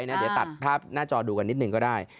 เดี๋ยวตัดภาพหน้าจอดูกันนิดหนึ่งก็ได้